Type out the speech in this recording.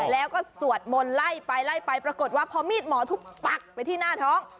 แล้วก็สวดมนต์ไล่ไปไล่ไปปรากฏว่าพอมีดหมอทุบปักไปที่หน้าท้อง